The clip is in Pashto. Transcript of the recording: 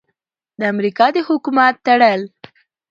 د امریکا د حکومت تړل: